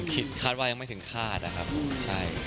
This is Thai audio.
คาดว่ายังไม่ถึงคาดนะครับใช่